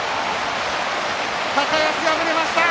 高安、敗れました。